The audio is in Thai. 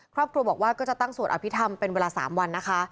ครอบครัวบอกว่าก็จะตั้งสวดอภิษฐรรมเป็นเวลา๓วันนะคะ